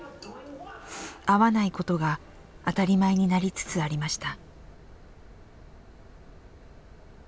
会わないことが当たり前になりつつありました。